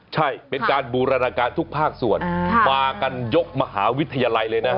ใช่เป็นการบูรณาการทุกภาคส่วนมากันยกมหาวิทยาลัยเลยนะฮะ